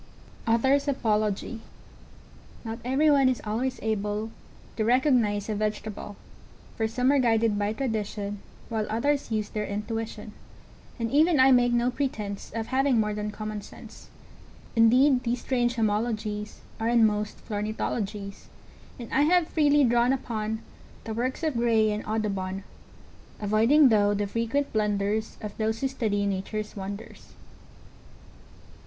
Author's Apology. Not every one is always able To recognize a vegetable, For some are guided by tradition, While others use their intuition, And even I make no pretense Of having more than common sense; Indeed these strange homologies Are in most flornithologies, And I have freely drawn upon The works of Gray and Audubon, Avoiding though the frequent blunders Of those who study Nature's wonders.